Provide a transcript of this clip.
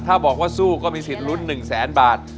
ถ้าบอกว่าสู้ก็มีสิทธิ์ลุ้น๑แสนบาท